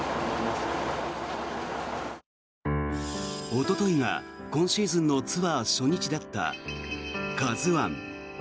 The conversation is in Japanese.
おとといが今シーズンのツアー初日だった「ＫＡＺＵ１」。